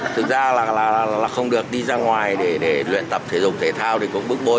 thực ra là không được đi ra ngoài để luyện tập thể dục thể thao thì cũng bức bôi